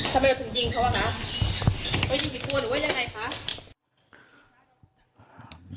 ทำไมเราถึงยิงเขาอ่ะคะเรายิงผิดตัวหรือว่ายังไงคะ